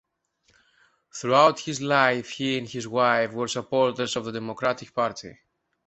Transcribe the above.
Throughout his life, he and his wife were supporters of the Democratic Party.